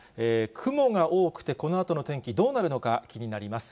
雲が多くて、このあとの天気、どうなるのか気になります。